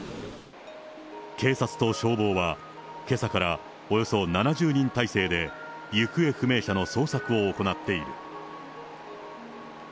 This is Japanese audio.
警察と消防は、けさからおよそ７０人態勢で行方不明者の捜索を行っている。